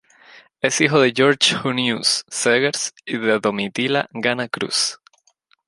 Es hijo de Jorge Huneeus Zegers y de Domitila Gana Cruz.